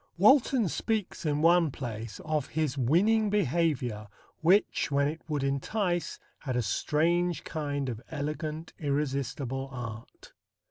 Walton speaks in one place of "his winning behaviour which, when it would entice, had a strange kind of elegant irresistible art."